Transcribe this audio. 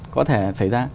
có thể xảy ra